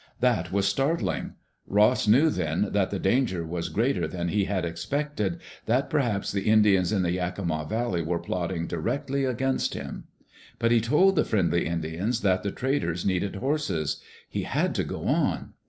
That was startling. Ross knew then that die danger was greater than he had expected — that perhaps the Indians in the Yakima Valley were plotting directly against him. But he told the friendly Indians that the traders needed horses. He had to go on.